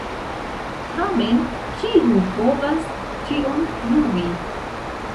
Tamen, kiu povas tion pruvi?